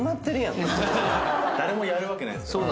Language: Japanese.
誰もやるわけないですから。